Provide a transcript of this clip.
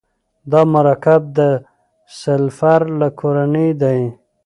دا مرکب د سلفر له کورنۍ دی.